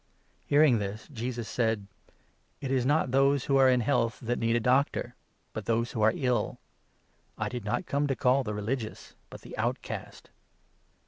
" Hearing this, Jesus said : 17 " It is not those who are in health that need a doctor, but those who are ill. I did not come to call the religious, but the outcast."